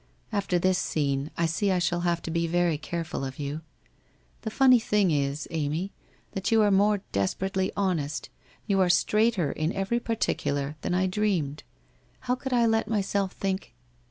After this scene, I see I shall have to be very careful of you. ... The funny thing is, Amy, that you are more desperately honest, you are straighter in every particular, than I dreamed. How could I let myself think